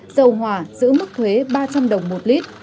dầu hỏa giữ mức thuế ba trăm linh đồng một lít